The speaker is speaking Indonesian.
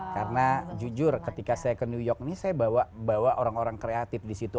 karena jujur ketika saya ke new york ini saya bawa orang orang kreatif di situ